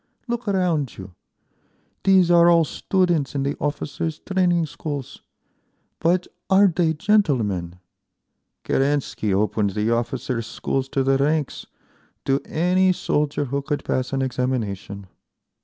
Look around you. These are all students in the officers' training schools. But are they gentlemen? Kerensky opened the officers' schools to the ranks, to any soldier who could pass an examination.